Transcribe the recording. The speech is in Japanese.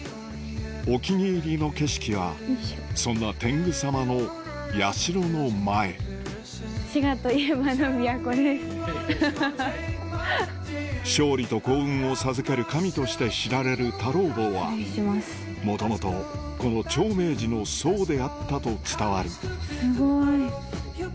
お気に入りの景色はそんな天狗さまの社の前勝利と幸運を授ける神として知られる太郎坊は元々この長命寺の僧であったと伝わるすごい。